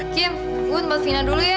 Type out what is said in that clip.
kim gue tempat fina dulu ya